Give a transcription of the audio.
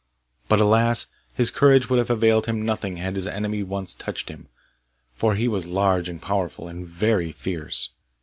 But, alas! his courage would have availed him nothing had his enemy once touched him, for he was large and powerful, and very fierce.